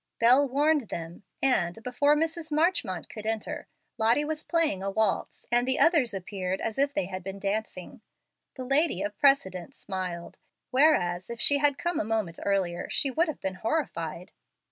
Bel warned them, and, before Mrs. Marchmont could enter, Lottie was playing a waltz, and the others appeared as if they had been dancing. The lady of precedent smiled, whereas if she had come a moment earlier she would have been horrified.